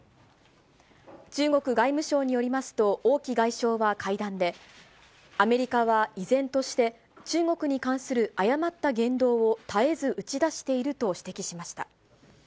中国外務省によりますと、王毅外相は会談で、アメリカは依然として中国に関する誤った言動を絶えず打ち出していると指摘しました。